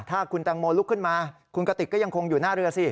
ถ้าคุณแตงโมลุกขึ้นมาคุณกติกก็ยังคงอยู่หน้าเรือสิ